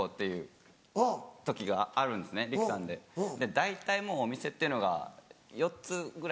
大体もうお店っていうのが４つぐらい。